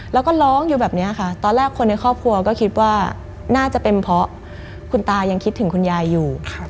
แล้วก็ร้องอยู่แบบนี้ค่ะตอนแรกคนในครอบครัวก็คิดว่าน่าจะเป็นเพราะคุณตายังคิดถึงคุณยายอยู่